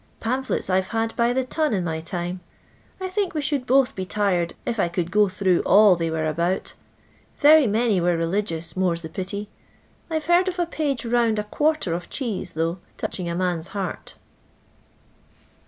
Famphleta I 've had by til? ton, in my time ; I think we should both tie tired if I could go through all they were about Very many were religious, more 's the pity. I 'va heartl of a'pnge ronnd a quarter of cheese, though, touching a man's heart."